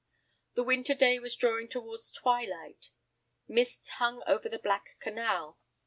The winter day was drawing towards twilight. Mists hung over the black canal.